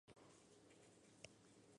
Dover Publications.